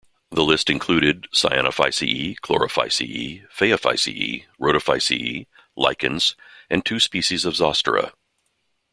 The list included: Cyanophyceae, Chlorophyceae, Phaeophyceae, Rhodophyceae, lichens and two species of Zostera.